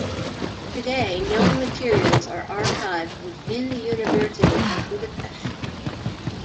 Today, known materials are archived within the University of Budapest.